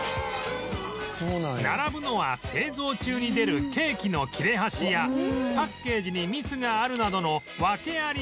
並ぶのは製造中に出るケーキの切れ端やパッケージにミスがあるなどの訳あり商品